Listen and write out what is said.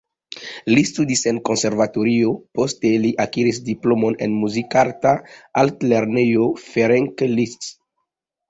Li studis en konservatorio, poste li akiris diplomon en Muzikarta Altlernejo Ferenc Liszt.